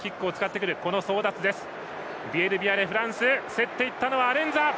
競っていったアレンザ！